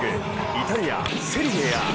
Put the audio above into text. イタリア・セリエＡ。